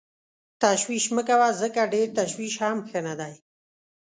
تشویش مه کوه ځکه ډېر تشویش هم ښه نه دی.